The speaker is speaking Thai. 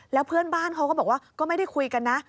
แล้วเพื่อนบ้านเขาก็บอกว่าก็ไม่ได้คุยกันนะ